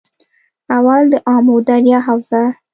اول- دآمو دریا حوزه